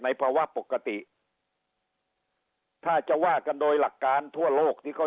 ภาวะปกติถ้าจะว่ากันโดยหลักการทั่วโลกที่เขา